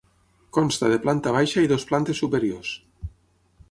Consta de planta baixa i dues plantes superiors.